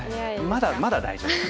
まだまだ大丈夫。